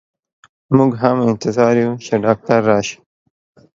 مو ږ هم انتظار يو چي ډاکټر راشئ.